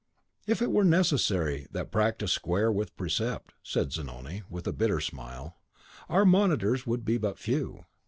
"If it were necessary that practice square with precept," said Zanoni, with a bitter smile, "our monitors would be but few.